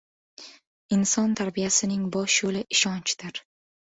Inson tarbiyasining bosh yo‘li ishonchdir.